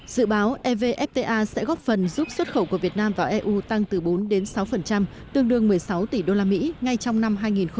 dự báo evfta sẽ góp phần giúp xuất khẩu của việt nam vào eu tăng từ bốn đến sáu tương đương một mươi sáu tỷ usd ngay trong năm hai nghìn hai mươi